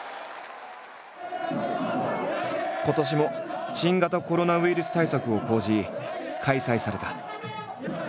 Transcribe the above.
今年も新型コロナウイルス対策を講じ開催された。